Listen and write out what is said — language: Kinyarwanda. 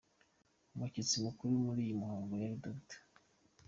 Umushyitsi mukuru muri uyu muhango yari Dr.